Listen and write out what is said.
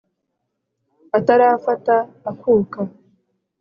atarafata akuka